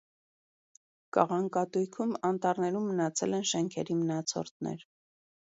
Կաղանկատույքում անտառներում մնացել են շենքերի մնացորդներ։